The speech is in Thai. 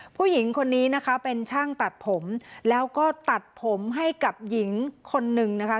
ผู้หญิงคนนี้นะคะเป็นช่างตัดผมแล้วก็ตัดผมให้กับหญิงคนนึงนะคะ